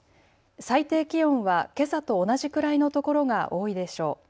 最低気温はけさと同じくらいの所が多いでしょう。